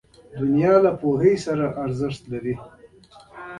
• شتمني د پوهې سره ارزښت لري.